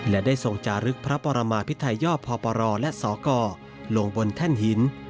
และได้ทรงจารึกพระปรมาพิทัยย่อพปรและสกลงบนแท่นหิน